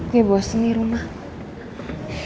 ya bos nih rumah